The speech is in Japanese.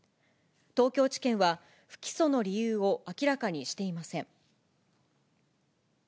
東京地検は、不起訴の理由を明らかにしていません。